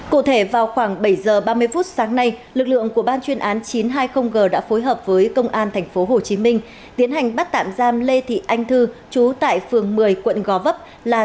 cụ thể vào khoảng bảy h ba mươi phút sáng nay lực lượng của ban chuyên án chín trăm hai mươi g đã phối hợp với công an tp hcm tiến hành bắt tạm giam lê thị anh thư trú tại phường một mươi quận gò vấp là